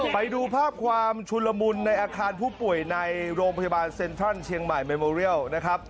ไปดูภาพความชุนละมุนในอาคารผู้ป่วยในโรงพยาบาลเซ็นทรัลเชียงใหม่เมโมเรียลนะครับ